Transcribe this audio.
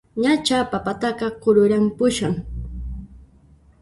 Ñachá papataqa kururanpushan!